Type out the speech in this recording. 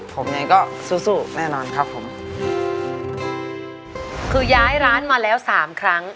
ผมเองก็สู้สู้แน่นอนครับผมคือย้ายร้านมาแล้วสามครั้ง